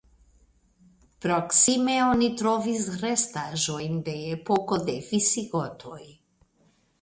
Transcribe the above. Proksime oni trovis restaĵojn de epoko de visigotoj.